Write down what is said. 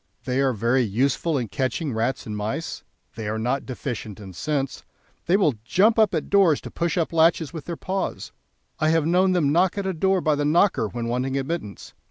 They are very useful in catching rats and mice; they are not deficient in sense; they will jump up at doors to push up latches with their paws. I have known them knock at a door by the knocker when wanting admittance.